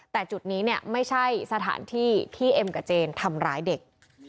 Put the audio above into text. แต่จุดนี้เนี่ยไม่ใช่สถานที่ที่เอ็มกับเจนทำร้ายเด็ก